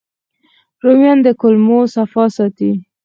رومیان د کولمو صفا ساتي